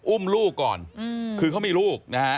อุ้มลูกก่อนคือเขามีลูกนะฮะ